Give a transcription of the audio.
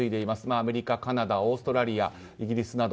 アメリカ、カナダオーストラリアイギリスなど。